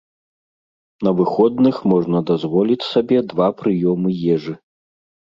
На выходных можна дазволіць сабе два прыёмы ежы.